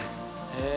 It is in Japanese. へえ。